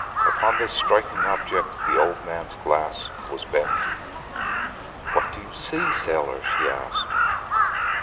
Upon this striking object the old man's glass was bent. 'What do you see, sailor?' she asked.